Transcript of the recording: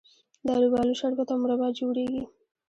د الوبالو شربت او مربا جوړیږي.